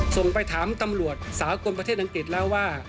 ส่งไปถามตำรวจสากลประเทศอังกฤษแล้วว่า